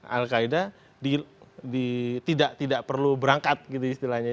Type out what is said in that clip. al qaeda tidak perlu berangkat gitu istilahnya ya